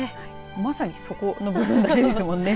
まさにそこの部分だけですもんね。